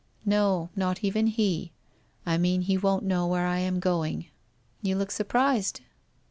' No, not even he. I mean he won't know where I am going. You look surprised